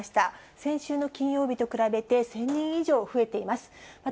先週の金曜日と比べて、１０００人以上増えています。